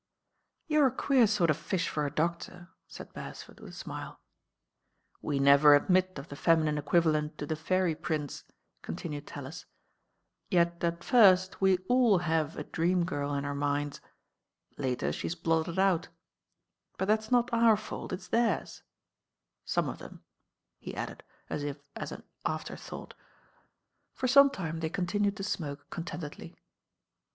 "You're a queer sort of fish for a doctor," said Beresford with a smile. "We never admit of the feminine equivalent to the Fairy Prince," continued Tallis, "yet at first we all have a Dream Girl in our minds, later she's blotted out; but that's not our fault, it's their*— some of them," he added as if as an afterthought. DR. TALUS PRESCRIBES «47 i For some time they continued to tmoke con tentedly.